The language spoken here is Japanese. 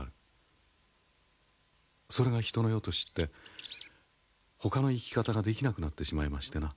それが人の世と知ってほかの生き方ができなくなってしまいましてな。